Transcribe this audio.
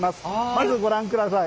まずご覧ください。